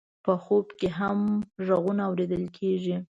په خوب کې هم غږونه اورېدل کېږي.